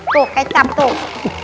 tuh kecap tuh